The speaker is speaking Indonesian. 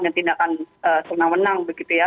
dan tindakan senang menang begitu ya